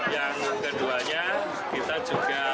yang keduanya kita juga